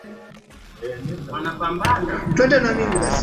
shukrani sana fatma san mbur